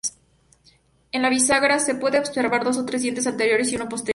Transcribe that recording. En la bisagra se pueden observar dos o tres dientes anteriores y uno posterior.